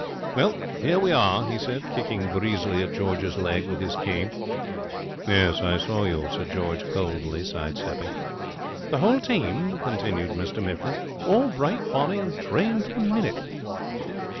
'Well, here we are,' he said, kicking breezily at George's leg with his cane. 'I saw you,' said George, coldly, side stepping. 'The whole team,' continued Mr Mifflin; 'all bright, bonny, and trained to the minute.'